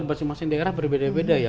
masing masing daerah berbeda beda ya